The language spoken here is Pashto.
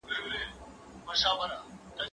ته ولي پاکوالي ساتې،